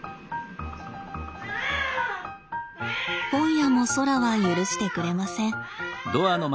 今夜もそらは許してくれません。